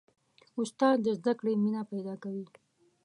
استاد د زده کړې مینه پیدا کوي.